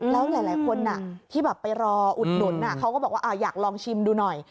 แล้วหลายคนที่ไปรออุดหนุนเขาก็บอกว่าอยากลองชิมดูหน่อย